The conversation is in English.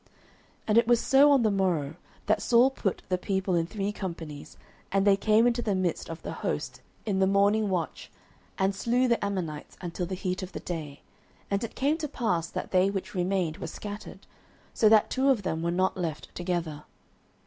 09:011:011 And it was so on the morrow, that Saul put the people in three companies; and they came into the midst of the host in the morning watch, and slew the Ammonites until the heat of the day: and it came to pass, that they which remained were scattered, so that two of them were not left together.